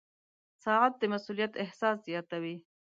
• ساعت د مسؤولیت احساس زیاتوي.